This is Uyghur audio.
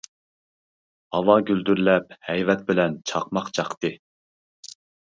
ھاۋا گۈلدۈرلەپ ھەيۋەت بىلەن چاقماق چاقتى.